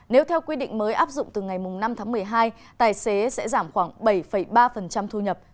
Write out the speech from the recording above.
nếu theo quy định mới áp dụng từ ngày năm tháng một mươi hai tài xế sẽ giảm khoảng bảy ba thu nhập